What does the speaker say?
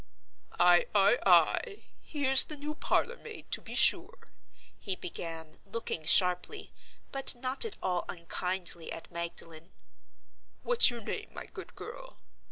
"Ay! ay! ay! here's the new parlor maid, to be sure!" he began, looking sharply, but not at all unkindly, at Magdalen. "What's your name, my good girl?